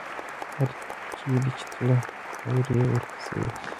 هر چېرې چې تله، وری ورپسې و.